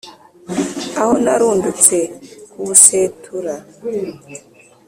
aho narundutse ku busetura !"